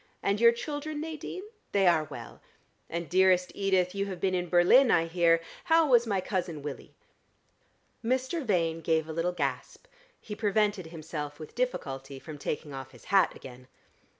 "And your children, Nadine? They are well. And, dearest Edith, you have been in Berlin, I hear. How was my cousin Willie?" Mr. Vane gave a little gasp; he prevented himself with difficulty from taking off his hat again.